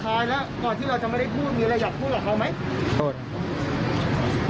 เผื่อเขาได้ยินคำขอโทษสุดท้ายแล้ว